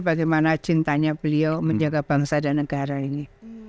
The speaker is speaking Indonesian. bagaimana cintanya beliau menjaga bangsa dan negara ini